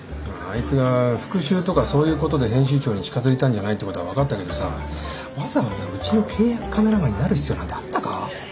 あいつが復讐とかそういうことで編集長に近づいたんじゃないってことは分かったけどさわざわざうちの契約カメラマンになる必要なんてあったか？